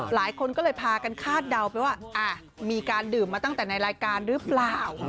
หลายคนก็เลยพากันคาดเดาไปว่ามีการดื่มมาตั้งแต่ในรายการหรือเปล่า